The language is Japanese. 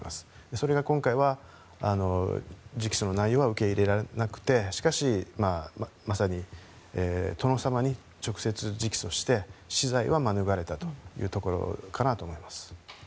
それが今回は直訴の内容は受け入れられなくてしかし、まさに殿様に直接直訴して死罪は免れたかなというところだと思います。